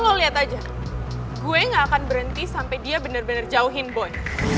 lo liat aja gue gak akan berhenti sampe dia bener bener jauhin boy